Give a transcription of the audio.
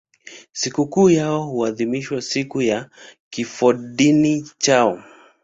Sikukuu yao huadhimishwa siku ya kifodini chao.